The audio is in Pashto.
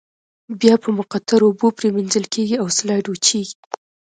بیا په مقطرو اوبو پریمنځل کیږي او سلایډ وچیږي.